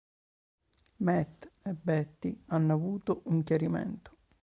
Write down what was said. Matt e Betty hanno avuto un chiarimento.